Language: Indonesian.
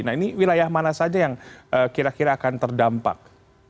nah ini wilayah mana saja yang kira kira akan terdampak